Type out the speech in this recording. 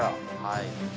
はい。